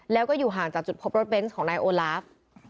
แล้วก็อยู่ห่างจากจุดพบรถเบนส์ของนายโอลาฟ